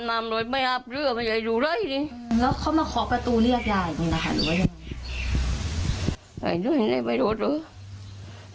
อ๋อแสดงว่าที่เขาเล่าให้หนูฟังก็คือเขาก็เล่าความจริงว่าเขาแบบมาขออาบน้ำกับคุณยาย